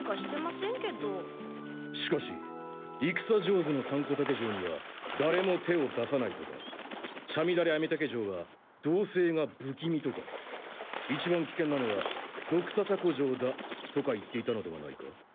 しかし「戦上手のサンコタケ城にはだれも手を出さない」とか「チャミダレアミタケ城は動静が不気味」とか「いちばん危険なのはドクササコ城だ」とか言っていたのではないか？